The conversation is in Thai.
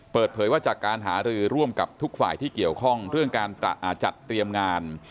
เปิดเผยว่าจากการหารือร่วมกับทุกฝ่ายที่เกี่ยวข้องเรื่องการจัดเตรียมงาน